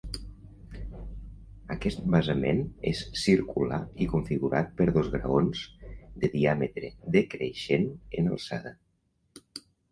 Aquest basament és circular i configurat per dos graons de diàmetre decreixent en alçada.